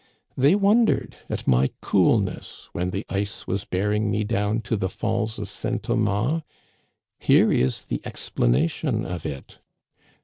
They wondered at my coolness when the ice was bearing me down to the falls of St Thomas. Here is the explanation of it.